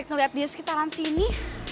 ngeliat dia sekitaran sini